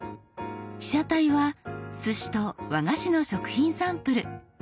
被写体はすしと和菓子の食品サンプル。